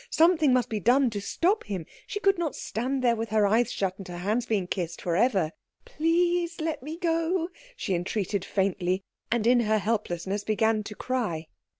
Something must be done to stop him. She could not stand there with her eyes shut and her hands being kissed for ever. "Please let me go," she entreated faintly; and in her helplessness began to cry.